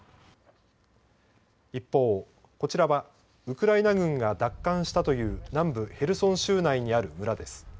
一方、こちらはウクライナ軍が奪還したという南部ヘルソン州内にある村です。